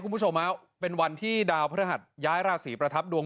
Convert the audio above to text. คุณผู้ชมฮะเป็นวันที่ดาวพระหัสย้ายราศีประทับดวง